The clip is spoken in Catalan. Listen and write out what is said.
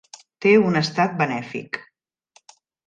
Té un estat benèfic.